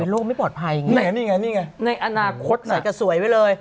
เป็นโลกไม่ปลอดภัยอย่างนี้ในอนาคตน่ะใส่กระสวยไว้เลย